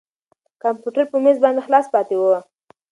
کمپیوټر په مېز باندې خلاص پاتې و.